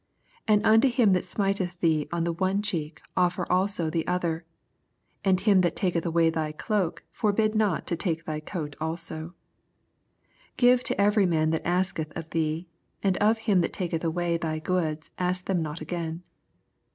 29 And unto him that smiteth thee on the one cheek offer also the other ; and him that taketh away thy doke forbid not to take thy coat also. SO Give to every man that asketh of thee ; and of him that taketh away thy goods ask ih^m not again.